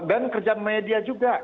dan kerja media juga